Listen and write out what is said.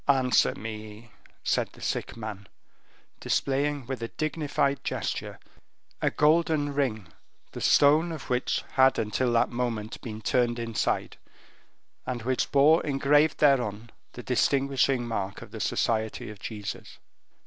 "Answer me," said the sick man, displaying with a dignified gesture a golden ring, the stone of which had until that moment been turned inside, and which bore engraved thereon the distinguishing mark of the Society of Jesus.